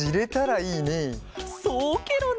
そうケロね！